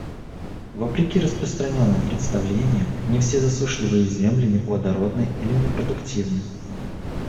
Вопреки распространенным представлениям, не все засушливые земли неплодородны или непродуктивны.